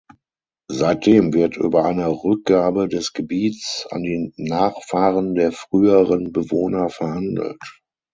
Seitdem wird über eine Rückgabe des Gebiets an die Nachfahren der früheren Bewohner verhandelt.